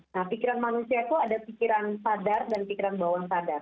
nah pikiran manusia itu ada pikiran sadar dan pikiran bawahan sadar